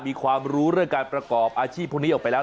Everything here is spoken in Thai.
มีความรู้เรื่องการประกอบอาชีพพวกนี้ออกไปแล้ว